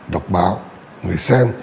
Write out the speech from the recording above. đọc báo người xem